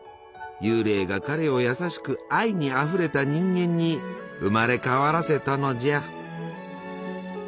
幽霊が彼を優しく愛にあふれた人間に生まれ変わらせたのじゃ。